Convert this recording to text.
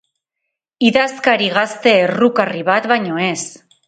Idazkari gazte errukarri bat baino ez!